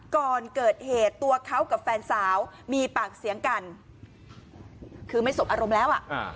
ก่อนเกิดเหตุตัวเขากับแฟนสาวมีปากเสียงกันคือไม่สบอารมณ์แล้วอ่ะ